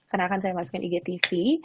karena akan saya masukin igtv